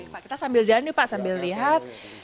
pak kita sambil jalan nih pak sambil lihat